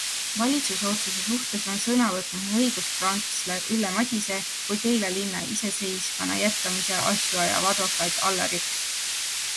Valitsuse otsuse suhtes on sõna võtnud nii õiguskantsler Ülle Madise kui Keila linna iseseisvana jätkamise asju ajav advokaat Allar Jõks.